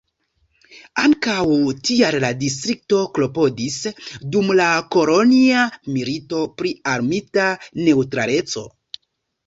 Ankaŭ tial la distrikto klopodis dum la Kolonja Milito pri armita neŭtraleco.